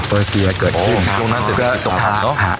เปอร์เซียเกิดขึ้นครับโรงนักศึกษ์ตกทันเนอะฮะ